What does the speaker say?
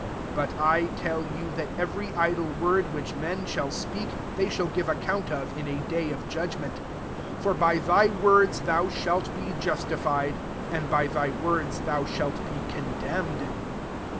36 But I tell you, that every idle word which men shall speak, they shall give account or in a day of judgment. 37 For by thy words thou shalt be justi fied, and by thy words tJioii shalt be condemned."